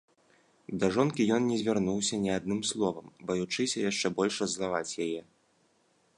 Да жонкі ён не звярнуўся ні адным словам, баючыся яшчэ больш раззлаваць яе.